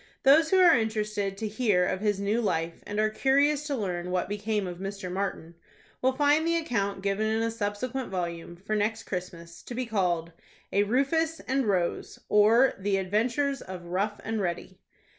Those who are interested to hear of his new life, and are curious to learn what became of Mr. Martin, will find the account given in a subsequent volume, for next Christmas, to be called a "RUFUS AND ROSE; or, The Adventures of Rough and Ready."